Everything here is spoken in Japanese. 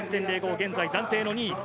現在、暫定２位。